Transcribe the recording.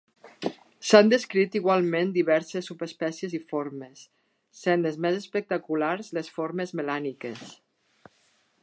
S'han descrit igualment diverses subespècies i formes, sent les més espectaculars les formes melàniques.